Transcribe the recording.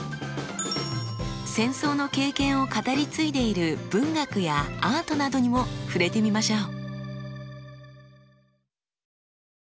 戦争の経験を語り継いでいる文学やアートなどにも触れてみましょう。